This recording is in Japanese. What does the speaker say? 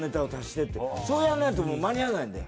そうやらないともう間に合わないんだよ。